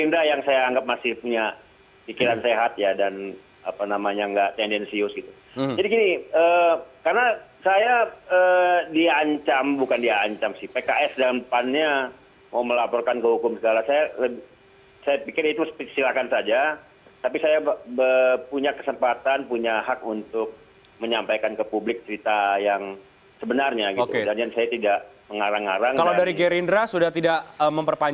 dan sudah tersambung melalui sambungan telepon ada andi arief wasekjen